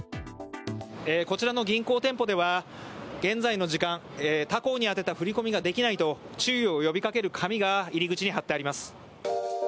こちらの銀行店舗では現在の時間、他行に宛てた振り込みができないと注意を呼びかける紙が入り口に貼ってあります。